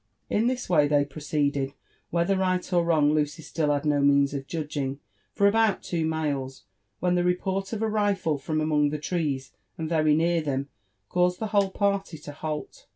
899 In this way they proceeded, whether right or wrong Lucy had still DO means of judging, for about two miles, when the report of a rifle from among the trees, and very near them, caused the whole party to halt.